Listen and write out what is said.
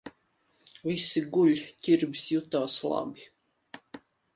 Visi guļ. Ķirbis jutās labi.